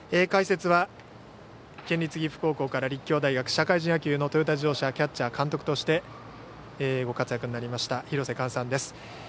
解説は県立岐阜高校から立教大学社会人野球のトヨタ自動車キャッチャー、監督としてご活躍になりました廣瀬寛さんです。